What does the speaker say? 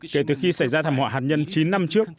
kể từ khi xảy ra thảm họa hạt nhân chín năm trước